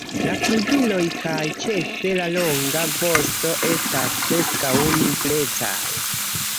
La flugiloj kaj ĉefe la longa vosto estas preskaŭ nigrecaj.